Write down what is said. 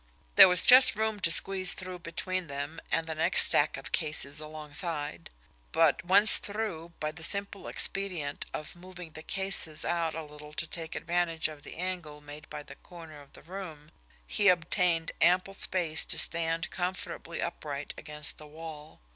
There was just room to squeeze through between them and the next stack of cases alongside; but, once through, by the simple expedient of moving the cases out a little to take advantage of the angle made by the corner of the room, he obtained ample space to stand comfortably upright against the wall.